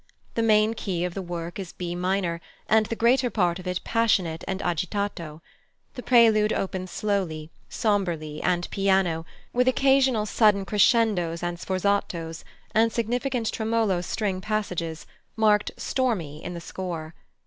The main key of the work is B minor, and the greater part of it passionate and agitato. The prelude opens slowly, sombrely, and piano, with occasional sudden crescendos and sforzatos, and significant tremolo string passages, marked "stormy" in the score.